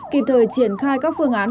kịp thời triển khai các phương án